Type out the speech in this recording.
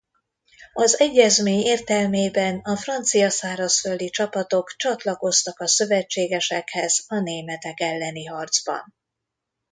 Az egyezmény értelmében a francia szárazföldi csapatok csatlakoztak a szövetségesekhez a németek elleni harcban.